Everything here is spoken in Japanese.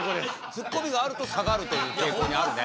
ツッコミがあると下がるという傾向にあるね。